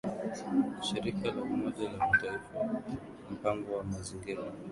shirika la Umoja wa Mataifa la mpango wa mazingira